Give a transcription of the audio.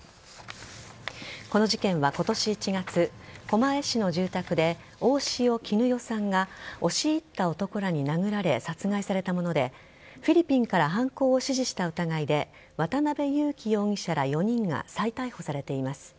この事件は今年１月狛江市の住宅で大塩衣与さんが押し入った男らに殴られ殺害されたものでフィリピンから犯行を指示した疑いで渡辺優樹容疑者ら４人が再逮捕されています。